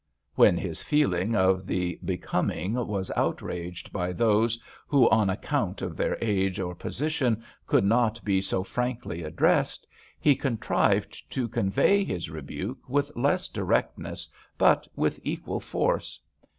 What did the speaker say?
When his feeling of the becoming was outraged by those who, on account of their age or position, could not be so frankly addressed, he contrived to convey his rebuke with less directness but with equal force.